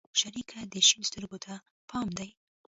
شريکه دې شين سترگو ته پام دى؟